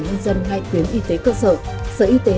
nhân dân hai tuyến y tế cơ sở sở y tế